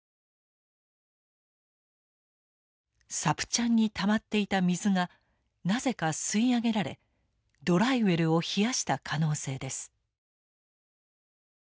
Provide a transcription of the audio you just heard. サプチャンにたまっていた水がなぜか吸い上げられドライウェルを冷やした可能性です。